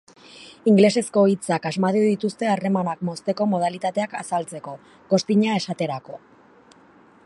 Ingelesezko hitzak asmatu dituzte harremanak mozteko modalitateak azaltzeko, ghosting-a esaterako.